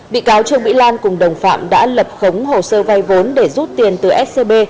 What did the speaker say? bị cáo trương mỹ lan cùng đồng phạm đã lập khống hồ sơ vay vốn để rút tiền từ scb